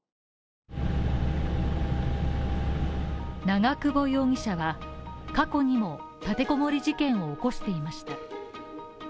長久保容疑者は過去にも立て籠もり事件を起こしていました。